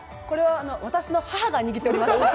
これは私の母が握っております。